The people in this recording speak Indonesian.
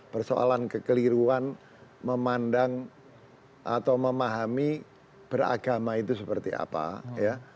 persoalan kekeliruan memandang atau memahami beragama itu seperti apa ya